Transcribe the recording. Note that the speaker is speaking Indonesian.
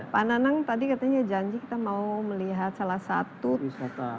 pak nanang tadi katanya janji kita mau melihat salah satu